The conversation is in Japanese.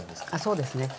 そうですね。